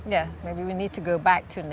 ya mungkin kita harus kembali ke alam